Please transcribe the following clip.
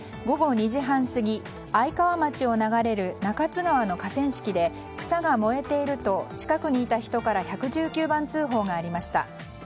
午後２時半過ぎ愛川町を流れる中津川の河川敷で草が燃えていると近くにいた人から１１９番通報がありました。